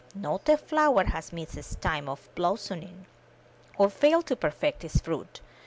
Not a flower has missed its time of blos soming, or failed to perfect its fruit.